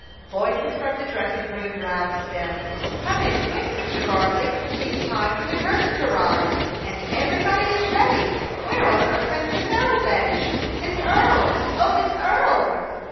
Voices from the dressing room roused them. "Come in quick, Mr. Gardley; it's time for the curtain to rise, and everybody is ready. Where on earth has Miss Earle vanished? Miss Earle! Oh, Miss Earle!"